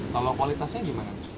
kalau kualitasnya gimana